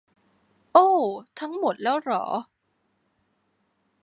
โอ้ ทั้งหมดแล้วหรอ